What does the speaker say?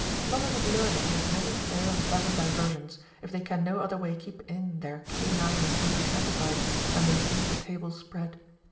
Lovers of learmng have many fair and pleasant diversions, if they can no other Avay keep in their canine and brutisli appetites when they see the table spread.